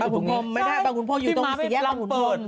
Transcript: เมื่อก่อนแม่อยู่ตรงนี้ใช่บางขุนพรมอยู่ตรงสีบางขุนพรม